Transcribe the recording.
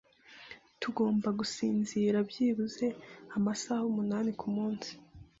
Tugomba gusinzira byibuze amasaha umunani kumunsi.